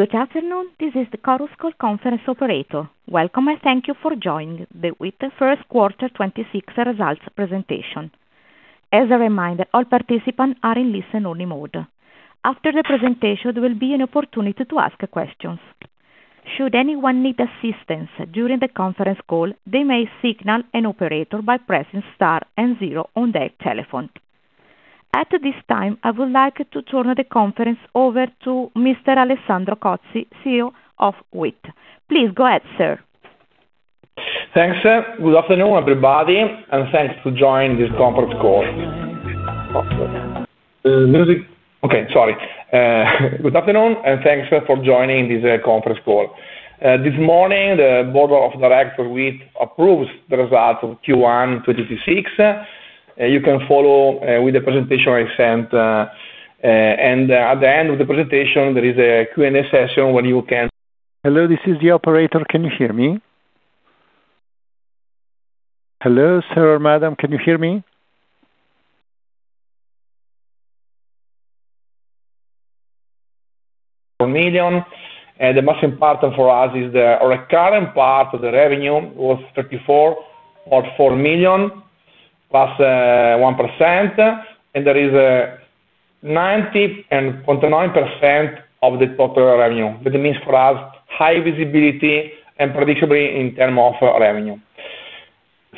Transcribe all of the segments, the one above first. Good afternoon. This is the Chorus Call conference operator. Welcome and thank you for joining the Wiit First Quarter 2026 Results Presentation. As a reminder, all participants are in listen-only mode. After the presentation, there will be an opportunity to ask questions. Should anyone need assistance during the conference call, they may signal an operator by pressing star and 0 on their telephone. At this time, I would like to turn the conference over to Mr. Alessandro Cozzi, CEO of Wiit. Please go ahead, sir. Thanks. Good afternoon, everybody, thanks to join this conference call. The music Okay, sorry. Good afternoon, thanks for joining this conference call. This morning, the board of director Wiit approves the results of Q1 2026. You can follow with the presentation I sent. At the end of the presentation, there is a Q&A session where you can. [Hello, this is the operator. Can you hear me? Hello, sir, madam, can you hear me?] 4 million, the most important for us is the recurring part of the revenue was 34.4 million, plus 1%. There is 90.9% of the total revenue. That means for us, high visibility and predictably in term of revenue.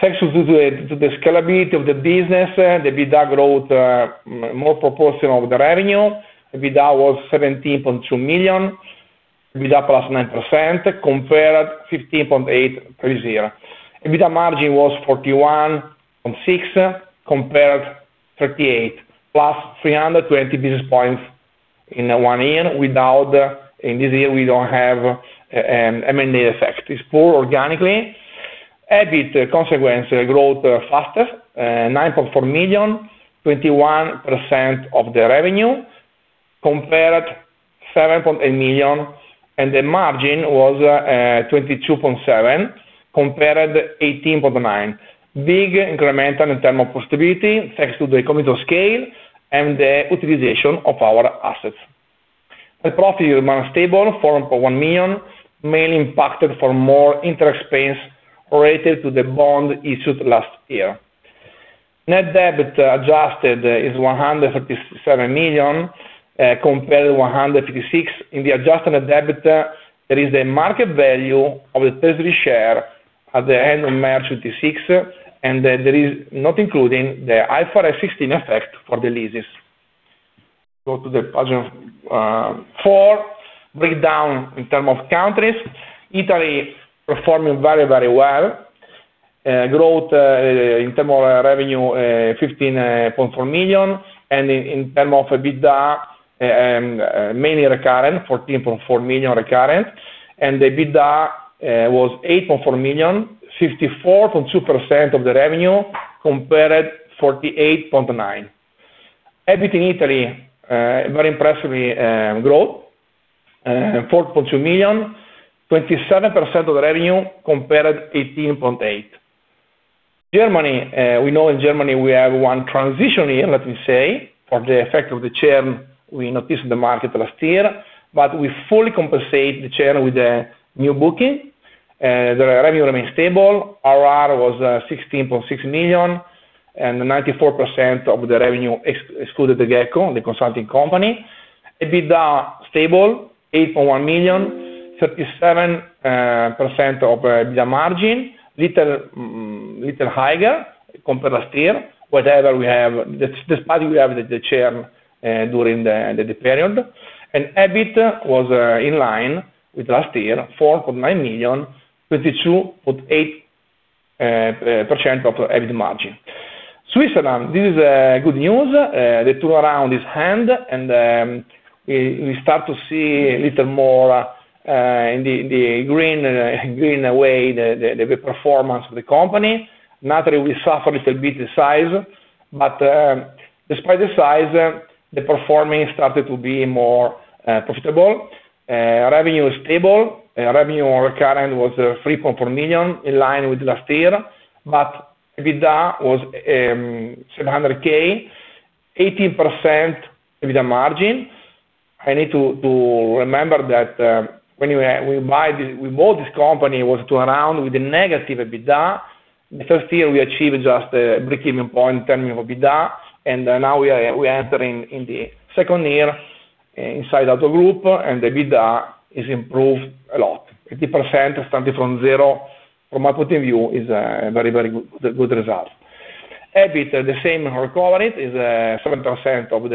Thanks to the scalability of the business, the EBITDA growth more proportion of the revenue. EBITDA was 17.2 million, EBITDA +9% compared 15.8 million previous year. EBITDA margin was 41.6% compared 38%, plus 320 basis points in one year. In this year, we don't have M&A effect. It's pure organically. EBIT consequently growth faster, 9.4 million, 21% of the revenue compared 7.8 million, and the margin was 22.7% compared 18.9%. Big incremental in terms of profitability, thanks to the economies of scale and the utilization of our assets. The profit remain stable, 4.1 million, mainly impacted for more interest expense related to the bond issued last year. Net debt is 137 million compared to 156 million in the adjusted net debt. There is a market value of the treasury share at the end of March 26, there is not including the IFRS 16 effect for the leases. Go to the page 4. Breakdown in term of countries. Italy performing very well. Growth in term of revenue, 15.4 million. In term of EBITDA, mainly recurrent, 14.4 million recurrent. The EBITDA was 8.4 million, 54.2% of the revenue compared 48.9%. EBIT in Italy, very impressively growth, 4.2 million, 27% of the revenue compared 18.8%. Germany, we know in Germany we have 1 transition year, let me say, for the effect of the churn we noticed in the market last year. We fully compensate the churn with the new booking. The revenue remains stable. RR was 16.6 million and 94% of the revenue ex-excluded the Gecko, the consulting company. EBITDA stable, 8.1 million, 37% of the margin. Little higher compared last year. Whatever we have, despite we have the churn during the period. EBIT was in line with last year, 4.9 million, 22.8% of EBIT margin. Switzerland, this is good news. They turn around this trend and we start to see a little more in the green way the performance of the company. Not only we suffer a little bit the size, but despite the size, the performance started to be more profitable. Revenue is stable. Revenue recurrent was 3.4 million, in line with last year. EBITDA was 700,000, 18% EBITDA margin. I need to remember that when we bought this company, it was to turn around with the negative EBITDA. The first year, we achieved just a break-even point in term of EBITDA. Now entering in the second year inside our group, and the EBITDA is improved a lot. 50% starting from zero, from my point of view, is a very, very good result. EBIT, the same recovery, is 7% of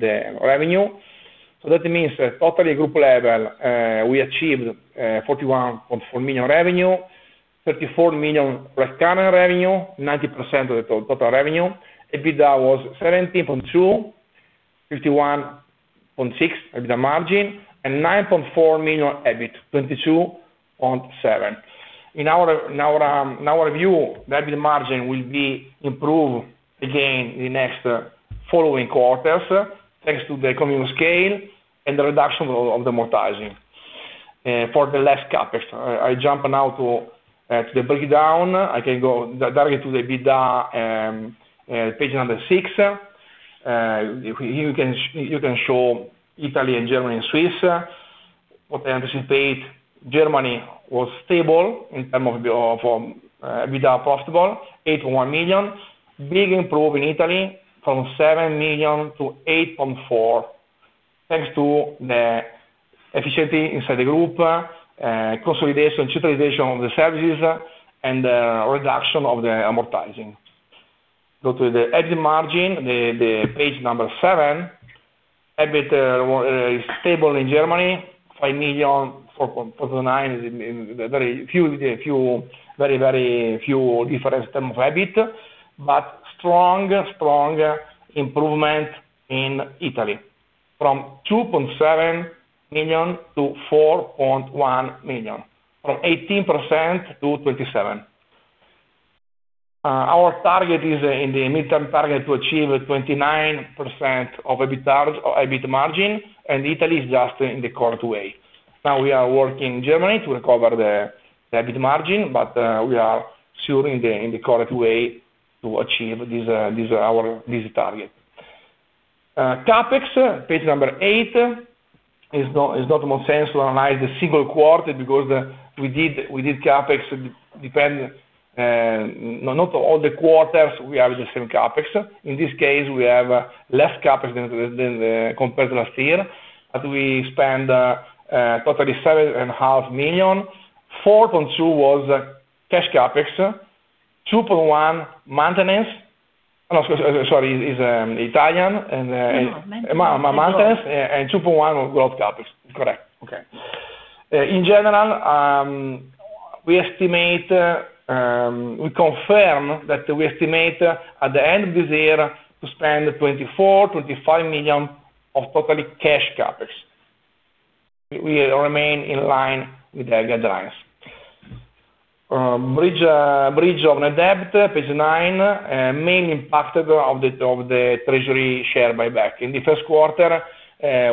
the revenue. That means that totally group level, we achieved 41.4 million revenue, 34 million recurring revenue, 90% of the total revenue. EBITDA was 17.2, 51.6% EBITDA margin, and 9.4 million EBIT, 22.7%. In our view, the EBIT margin will be improved again in the next following quarters, thanks to the economies of scale and the reduction of the amortizing. For the last CapEx, I jump now to the breakdown. I can go directly to the EBITDA, page 6. If you can show Italy and Germany and Swiss. What I anticipate, Germany was stable in term of the EBITDA profitable, 81 million. Big improve in Italy from 7 million to 8.4 million, thanks to the efficiency inside the group, consolidation, centralization of the services, and the reduction of the amortizing. Go to the EBIT margin, the page number 7. EBITDA is stable in Germany, 5 million, 4.9 million is very few difference term of EBIT. Strong improvement in Italy, from 2.7 million-4.1 million, from 18%-27%. Our target is in the midterm target to achieve 29% of EBITDA or EBIT margin, Italy is just in the correct way. Now we are working in Germany to recover the EBIT margin. We are still in the correct way to achieve this target. CapEx, page number 8, is not more sense to analyze the single quarter because we did CapEx depend, not all the quarters, we have the same CapEx. In this case, we have less CapEx than compared to last year. We spend totally 7.5 million. 4.2 was cash CapEx, 2.1 maintenance. No, scuse, sorry, is Italian. No, maintenance is yours. Maintenance and 2.1 was growth CapEx. Correct. Okay. In general, we estimate, we confirm that we estimate at the end of this year to spend 24-25 million of totally cash CapEx. We remain in line with the guidelines. Bridge of net debt, page 9, main impact of the treasury share buyback. In the first quarter,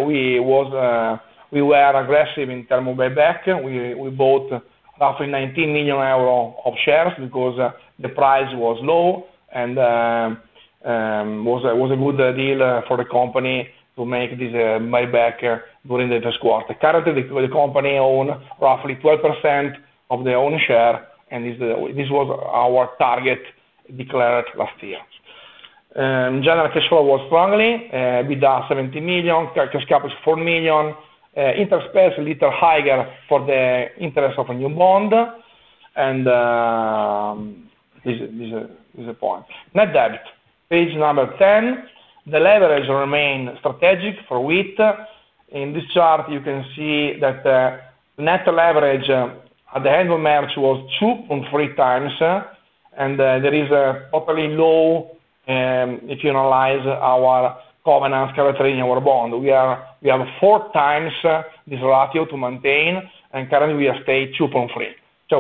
we were aggressive in term of buyback. We bought roughly 19 million euro of shares because the price was low and was a good deal for the company to make this buyback during the first quarter. Currently, the company own roughly 12% of their own share, and this was our target declared last year. General cash flow was strongly, with 17 million, cash CapEx 4 million. Interest pays a little higher for the interest of a new bond. This is the point. Net debt, page number 10. The leverage remain strategic for Wiit. In this chart, you can see that net leverage at the end of March was 2.3x, and there is a properly low, if you analyze our covenants character in our bond. We have 4x this ratio to maintain, and currently we have stayed 2.3.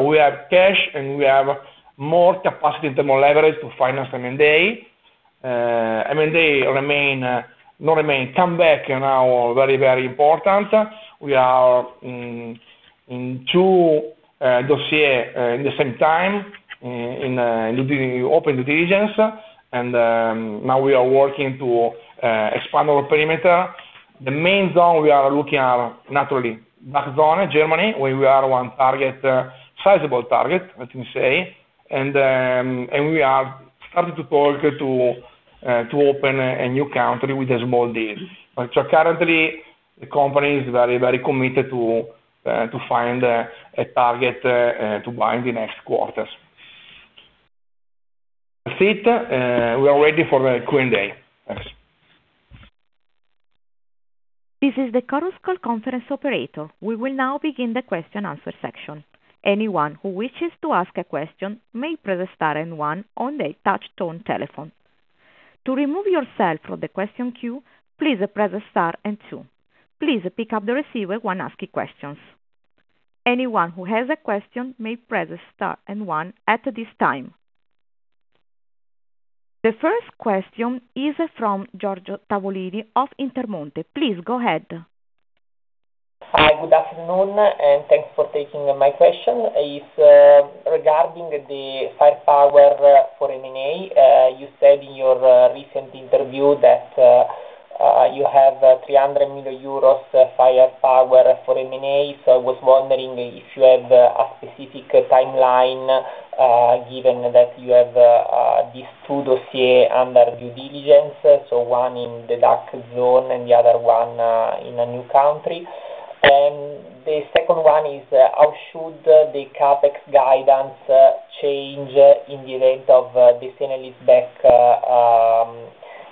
We have cash, and we have more capacity at the moment leverage to finance M&A. M&A come back in our very, very important. We are in two dossier in the same time doing open due diligence. Now we are working to expand our perimeter. The main zone we are looking are naturally DACH zone in Germany, where we are one target, sizable target, let me say. We are starting to talk to open a new country with a small deal. Currently, the company is very committed to find a target to buy in the next quarters. That's it. We are ready for the Q&A. Thanks. This is the Chorus Call conference operator. We will now begin the question-answer section. Anyone who wishes to ask a question may press star and one on their touch tone telephone. To remove yourself from the question queue, please press star and two. Please pick up the receiver when asking questions. Anyone who has a question may press star and one at this time. The first question is from Giorgio Tavolini of Intermonte. Please go ahead. Hi, good afternoon, and thanks for taking my question. It's regarding the firepower for M&A. You said in your recent interview that you have 300 million euros firepower for M&A. I was wondering if you have a specific timeline, given that you have these two dossier under due diligence, one in the DACH zone and the other one in a new country. The second one is how should the CapEx guidance change in the event of this leaseback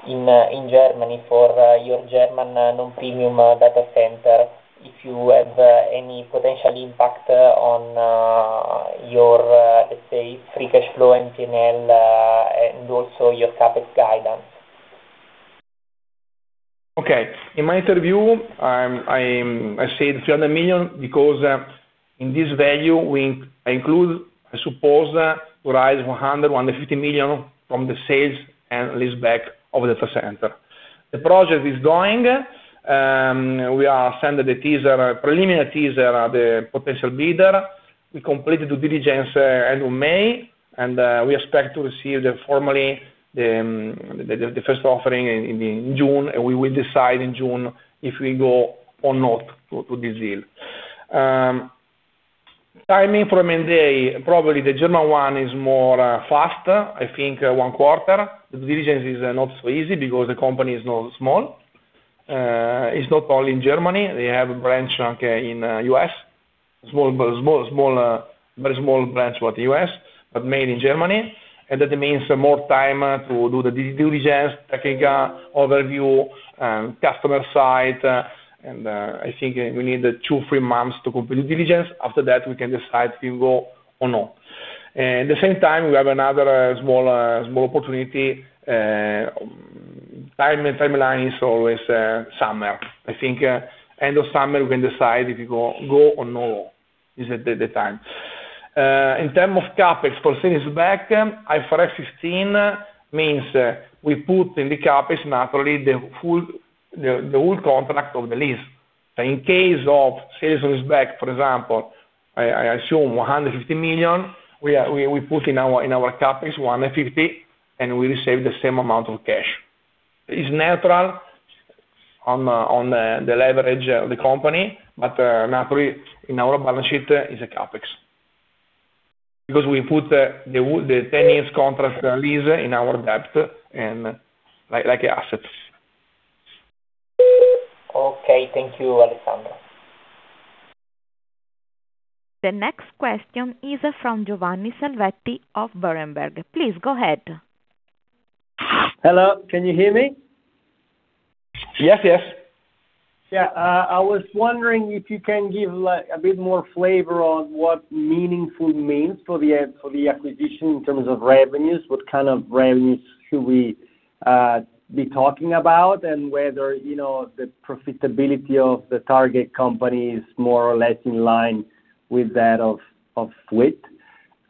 in Germany for your German non-Premium Cloud data center? If you have any potential impact on your let's say free cash flow and P&L, and also your CapEx guidance. Okay. In my interview, I said 300 million because in this value we include, I suppose, to rise 100 million-150 million from the sale and leaseback of data center. The project is going. We are sending the teaser, preliminary teaser, the potential bidder. We completed due diligence end of May, and we expect to receive formally the first offering in June, and we will decide in June if we go or not to this deal. Timing for M&A, probably the German one is more faster, I think, 1 quarter. Due diligence is not so easy because the company is not small. It's not only in Germany. They have a branch in U.S. Very small branch for the U.S., but made in Germany. That means more time to do the due diligence, technical overview, customer side. I think we need 2, 3 months to complete due diligence. After that, we can decide if we go or no. At the same time, we have another small opportunity. Time and timeline is always summer. I think end of summer, we can decide if we go or no. This is the time. In term of CapEx for sales back, IFRS 16 means we put in the CapEx naturally the full, the full contract of the lease. In case of sales and leaseback. For example, I assume 150 million, we put in our CapEx 150 million, and we receive the same amount of cash. It's natural on the leverage of the company, naturally in our balance sheet is a CapEx. Because we put the 10 years contract lease in our debt and like assets. Okay. Thank you, Alessandro. The next question is from Giovanni Selvetti of Berenberg. Please go ahead. Hello. Can you hear me? Yes, yes. Yeah. I was wondering if you can give like a bit more flavor on what meaningful means for the acquisition in terms of revenues. What kind of revenues should we be talking about? Whether, you know, the profitability of the target company is more or less in line with that of Wiit.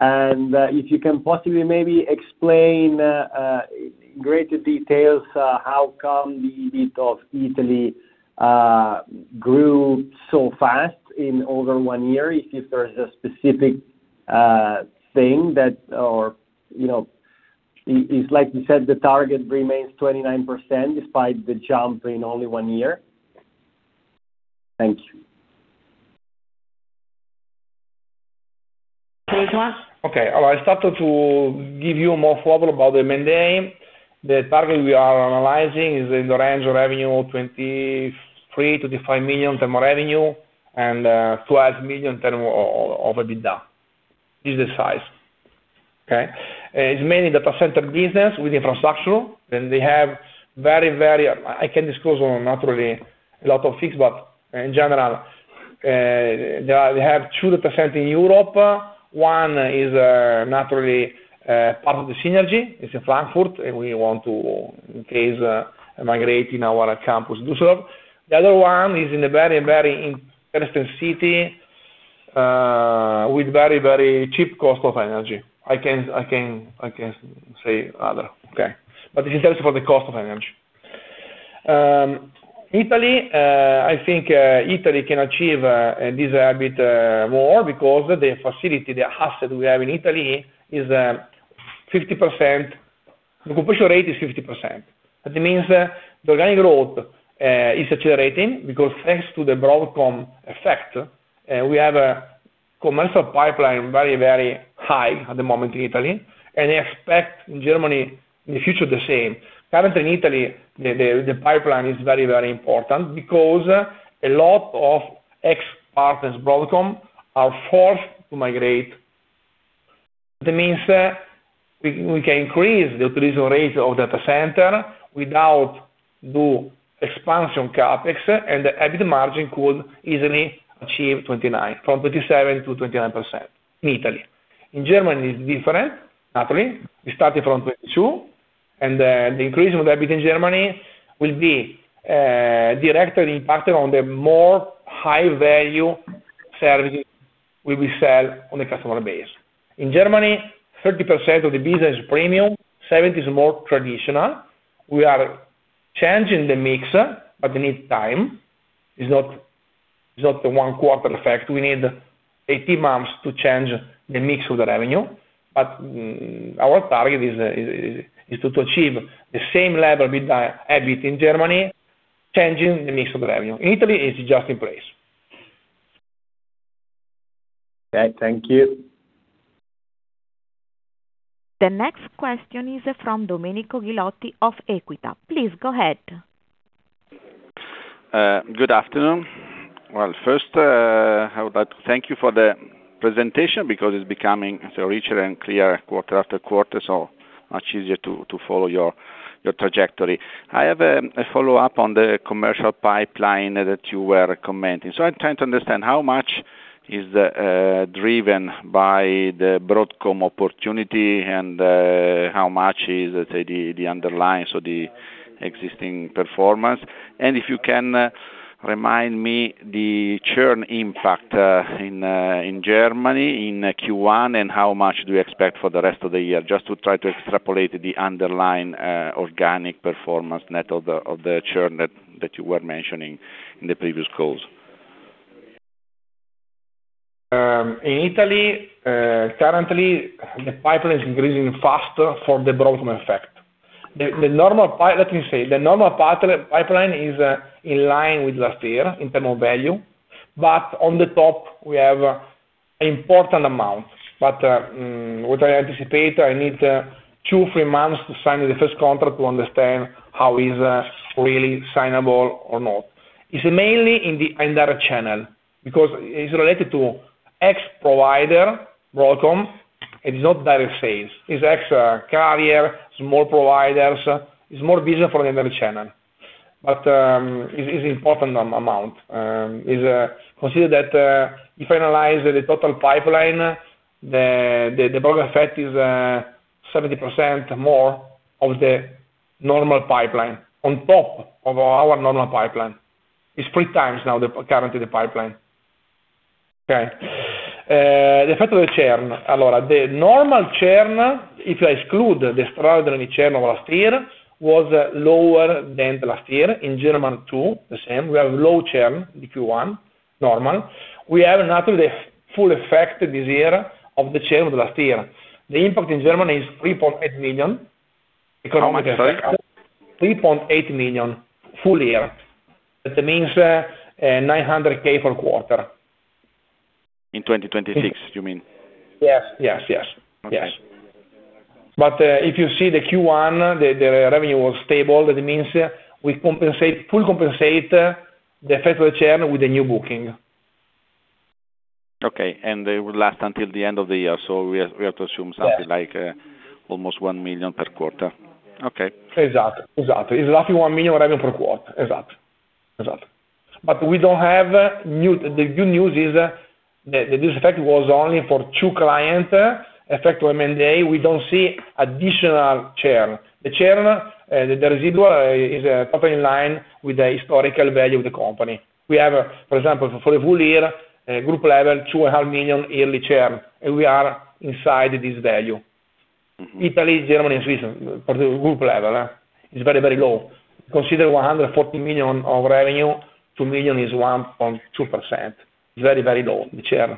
If you can possibly maybe explain greater details how come the EBIT of Italy grew so fast in over 1 year. If there's a specific thing that or, you know, it's like you said, the target remains 29% despite the jump in only 1 year. Thank you. Alessandro. Okay. I started to give you more flavor about the M&A. The target we are analyzing is in the range of revenue, 23 million-25 million term revenue and 12 million term EBITDA. This is the size. Okay? It's mainly data center business with infrastructure. They have very, very I can't disclose on naturally a lot of things, but in general, they have two data center in Europe. One is, naturally, part of the synergy. It's in Frankfurt, we want to, in case, migrate in our campus Dusseldorf. The other one is in a very, very interesting city, with very, very cheap cost of energy. I can't say other. Okay. It is interesting for the cost of energy. Italy, I think Italy can achieve this a bit more because the facility, the asset we have in Italy is 50%. The completion rate is 50%. That means the organic growth is accelerating because thanks to the Broadcom effect, we have a commercial pipeline very, very high at the moment in Italy, and I expect in Germany in the future the same. Currently in Italy, the pipeline is very, very important because a lot of ex-partners Broadcom are forced to migrate. That means we can increase the utilization rate of data center without do expansion CapEx, and the EBIT margin could easily achieve 29%, from 27%-29% in Italy. In Germany, it's different, naturally. We started from 22, and the increase of the EBIT in Germany will be directly impacted on the more high value services we will sell on the customer base. In Germany, 30% of the business is premium, 70% is more traditional. We are changing the mix, but they need time. It's not the one quarter effect. We need 18 months to change the mix of the revenue. Our target is to achieve the same level with the EBIT in Germany, changing the mix of the revenue. Italy is just in place. Okay. Thank you. The next question is from Domenico Ghilotti of Equita. Please go ahead. Good afternoon. Well, first, I would like to thank you for the presentation because it's becoming so richer and clearer quarter after quarter, so much easier to follow your trajectory. I have a follow-up on the commercial pipeline that you were commenting. I'm trying to understand how much is driven by the Broadcom opportunity and how much is, let's say, the underlying, so the existing performance? If you can remind me the churn impact in Germany in Q1, and how much do you expect for the rest of the year? Just to try to extrapolate the underlying organic performance net of the churn that you were mentioning in the previous calls. In Italy, currently the pipeline is increasing faster for the Broadcom effect. The normal pipeline is in line with last year in terms of value. On the top we have important amounts. What I anticipate, I need 2, 3 months to sign the first contract to understand how is really signable or not. It's mainly in the indirect channel because it's related to ex-provider Broadcom. It is not direct sales. It's ex, carrier, small providers. It's more business for the indirect channel. Is important amount. Is consider that if analyze the total pipeline, the Broadcom effect is 70% more of the normal pipeline, on top of our normal pipeline. It's 3x now currently the pipeline. Okay. The effect of the churn. The normal churn, if you exclude the extraordinary churn of last year, was lower than the last year. In Germany too, the same. We have low churn in Q1, normal. We haven't had the full effect this year of the churn of the last year. The impact in Germany is 3.8 million. How much, sorry? 3.8 million full year. That means, 900,000 per quarter. In 2026, you mean? Yes. Yes, yes. Yes. Okay. If you see the Q1, the revenue was stable. That means, we full compensate the effect of the churn with the new booking. Okay. It will last until the end of the year, so we have to assume something. Yes. like, almost 1 million per quarter. Okay. Exactly. It's roughly 1 million revenue per quarter. Exactly. The good news is that this effect was only for 2 clients, effect M&A. We don't see additional churn. The churn, the residual is totally in line with the historical value of the company. We have, for example, for the full year, group level, 200 million yearly churn, and we are inside this value. Italy, Germany and Switzerland for the group level is very, very low. Consider 140 million of revenue, 2 million is 1.2%. It's very, very low, the churn.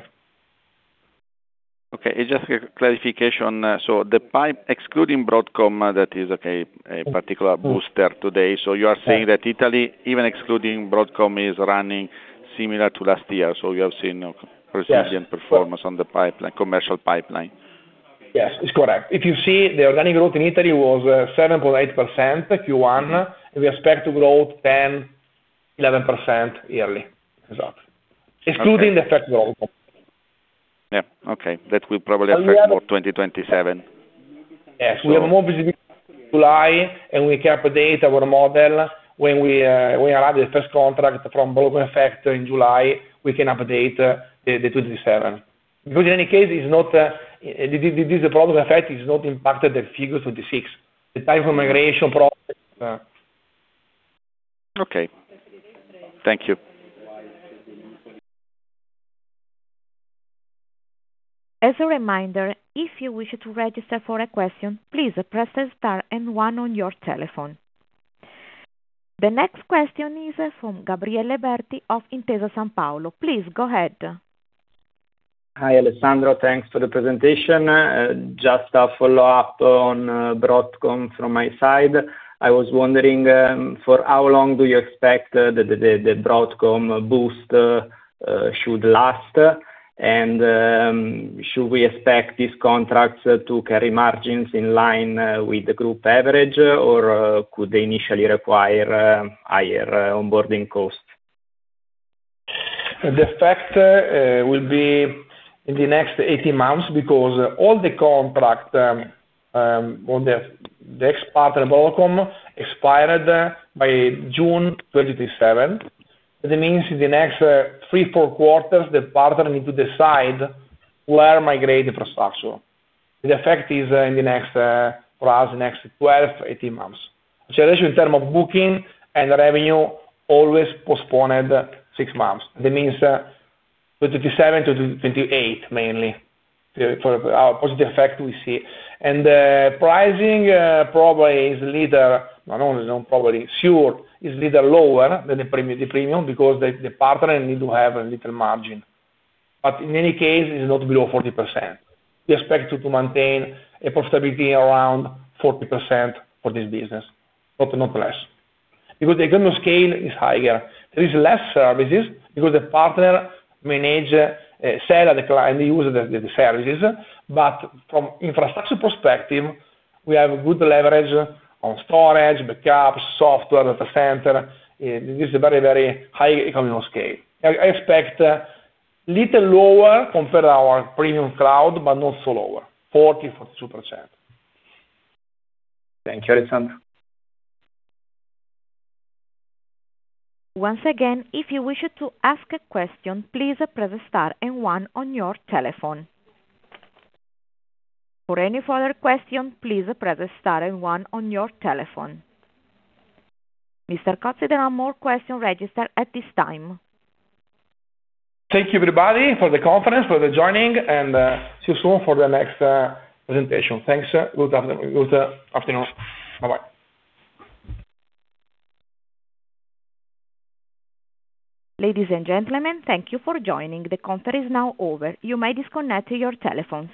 Okay. It's just a clarification. The pipe, excluding Broadcom, that is, okay, a particular booster today. Yes. You are saying that Italy, even excluding Broadcom, is running similar to last year. Yes. Performance on the pipeline, commercial pipeline. Yes, it's correct. If you see the organic growth in Italy was 7.8% Q1. We expect to grow 10%, 11% yearly. Exactly. Okay. Excluding the effect of Broadcom. Yeah, okay. That will probably affect more 2027. Yes. We have more visibility July, and we can update our model when we, when arrive the first contract from Broadcom effect in July, we can update the 2027. In any case it's not, this Broadcom effect is not impacted the figures for 2026. The type of migration process. Okay. Thank you. As a reminder, if you wish to register for a question, please press star and one on your telephone. The next question is from Gabriele Berti of Intesa Sanpaolo. Please go ahead. Hi, Alessandro. Thanks for the presentation. Just a follow-up on Broadcom from my side. I was wondering for how long do you expect the Broadcom boost should last? Should we expect these contracts to carry margins in line with the group average, or could they initially require higher onboarding costs? The effect will be in the next 18 months because all the contract on the ex-partner Broadcom expired by June 2027. That means in the next 3, 4 quarters, the partner need to decide where migrate infrastructure. The effect is in the next or as the next 12-18 months. In terms of booking and revenue, always postponed 6 months. That means 2027 to 2028 mainly for our positive effect we see. Pricing probably is little Not only, not probably, sure, is little lower than the Premium because the partner need to have a little margin. In any case, it's not below 40%. We expect to maintain a profitability around 40% for this business, but not less. Because the economic scale is higher. There is less services because the partner manage, sell the client, use the services. From infrastructure perspective, we have good leverage on storage, backups, software, data center. This is a very, very high economical scale. I expect a little lower compared to our Premium Cloud, but not so lower. 40%-42%. Thank you, Alessandro. Once again, if you wish to ask a question, please press star and one on your telephone. For any further question, please press star and one on your telephone. Mr. Cozzi, there are more questions registered at this time. Thank you, everybody, for the confidence, for the joining, and see you soon for the next presentation. Thanks. Good afternoon. Good afternoon. Bye-bye. Ladies and gentlemen, thank you for joining.[The conference now is over. You may disconnect your telephone.]